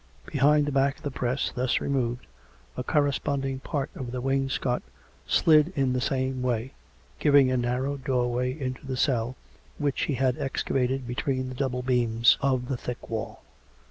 Be hind the back of the press, thus removed, a corresponding part of the wainscot slid in the same way, giving a narrow doorway into the cell which he had excavated between the double beams of the thick wall.